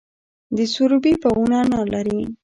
د سروبي باغونه انار لري.